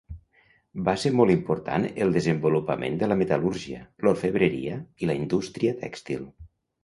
Va ser molt important el desenvolupament de la metal·lúrgia, l'orfebreria i la indústria tèxtil.